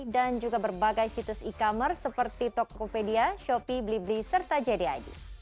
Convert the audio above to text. dan juga berbagai situs e commerce seperti tokopedia shopee blibli serta jd id